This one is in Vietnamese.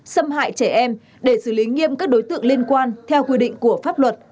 xâm hại trẻ em để xử lý nghiêm các đối tượng liên quan theo quy định của pháp luật